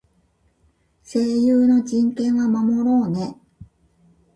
声優の人権は守ろうね。